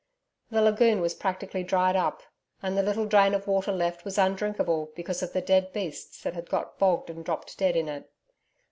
The lagoon was practically dried up, and the little drain of water left was undrinkable because of the dead beasts that had got bogged and dropped dead in it.